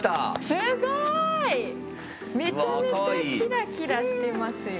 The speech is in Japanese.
すごい！めちゃめちゃキラキラしてますよ。